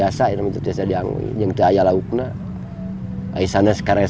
pasrks divin besar dulu telah nyampe mendulungin hygiene planting lainnya pada umur bank harimewan